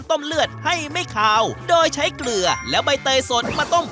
แต่จะบอกว่าที่ดูแล้วรู้สึกว่าเอง